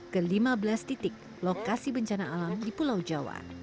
ke lima belas titik lokasi bencana alam di pulau jawa